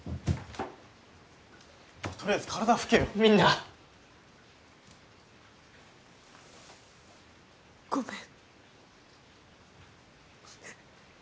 とりあえず体拭けよみんなごめん